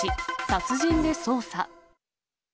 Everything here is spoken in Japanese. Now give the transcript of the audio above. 殺人で捜査。